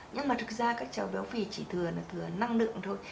nhưng mà thực ra các cháu béo phì chỉ thừa năng lượng thôi